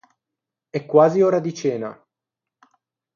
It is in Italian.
È quasi ora di cena.